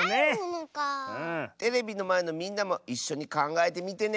テレビのまえのみんなもいっしょにかんがえてみてね！